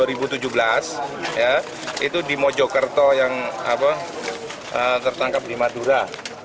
itu di mojokerto yang tertangkap di madura